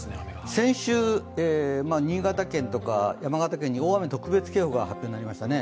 先週、新潟県とか山形県に大雨特別警報が発表になりましたね。